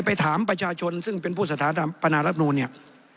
ไปถามประชาชนซึ่งเป็นผู้สถานพนักลักษมณ์นูเนี่ย